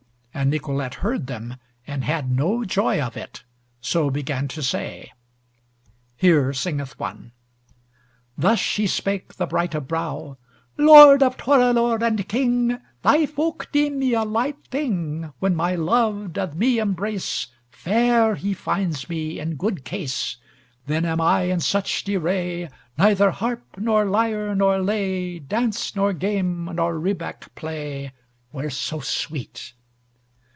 And Nicolete heard them, and had no joy of it, so began to say: Here singeth one: Thus she spake the bright of brow: "Lord of Torelore and king, Thy folk deem me a light thing, When my love doth me embrace, Fair he finds me, in good case, Then am I in such derray, Neither harp, nor lyre, nor lay, Dance nor game, nor rebeck play Were so sweet."